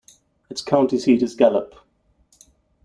Its county seat is Gallup.